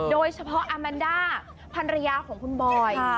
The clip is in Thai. โดยเฉพาะอาแมนด้าพันรยาของคุณบอย